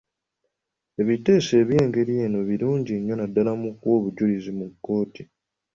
Ebiteeso eby'engeri eno birungi nnyo naddala mu kuwa obujulizi mu kkooti.